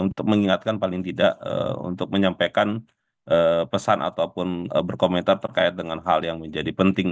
untuk mengingatkan paling tidak untuk menyampaikan pesan ataupun berkomentar terkait dengan hal yang menjadi penting